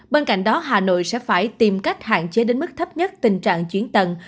bên cạnh đó hà nội sẽ phải tìm cách hạn chế đến mức thấp nhất tình trạng chuyến tầng